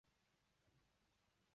测波即测量波浪。